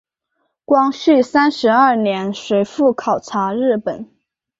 光绪三十二年随父考察日本。